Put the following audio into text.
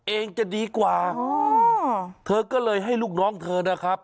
เองจะดีกว่าเธอก็เลยให้ลูกน้องเธอนะครับ